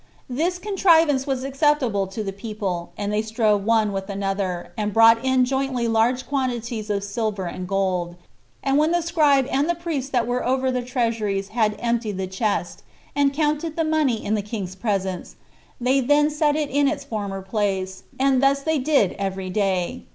This contrivance was acceptable to the people, and they strove one with another, and brought in jointly large quantities of silver and gold; and when the scribe and the priest that were over the treasuries had emptied the chest, and counted the money in the king's presence, they then set it in its former place, and thus did they every day.